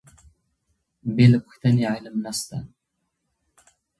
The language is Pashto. بې له پوښتنې علم نسته.